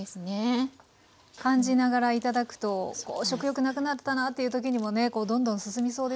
感じながら頂くと食欲なくなったなっていうときにもねどんどん進みそうですもんね。